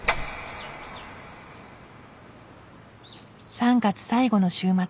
３月最後の週末。